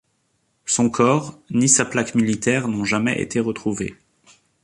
Son corps, ni sa plaque militaire n'ont jamais été retrouvés.